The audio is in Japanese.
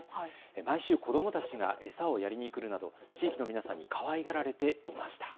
毎週、子どもたちが餌をやりに来るなど地域の皆さんにかわいがられていました。